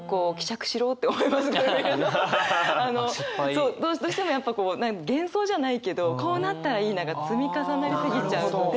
そうどうしてもやっぱこう幻想じゃないけどこうなったらいいなが積み重なり過ぎちゃうので。